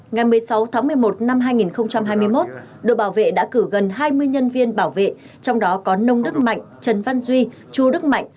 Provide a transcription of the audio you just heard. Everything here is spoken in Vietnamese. ngày một mươi sáu tháng một mươi một năm hai nghìn hai mươi một đội bảo vệ đã cử gần hai mươi nhân viên bảo vệ trong đó có nông đức mạnh trần văn duy chu đức mạnh